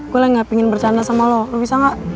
gue lah gak ingin bercanda sama lo lo bisa gak